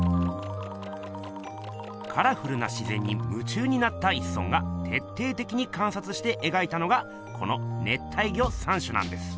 カラフルな自ぜんにむ中になった一村がてっていてきにかんさつしてえがいたのがこの「熱帯魚三種」なんです。